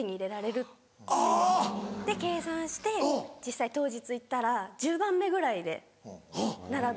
計算して実際当日行ったら１０番目ぐらいで並べて。